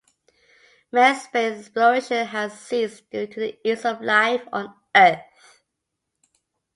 Manned space exploration has ceased due to the ease of life on Earth.